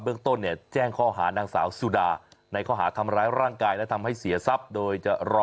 อย่างก็แจ้งข้อหานางสาวซูดาในข้อหาคำร้ายร่างกายและทำให้เสียทรัพย์โดยจะรอ